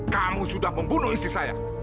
kamu sudah membunuh istri saya